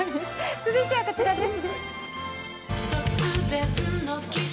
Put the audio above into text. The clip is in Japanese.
続いてはこちらです。